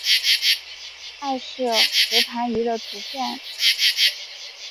艾氏喉盘鱼的图片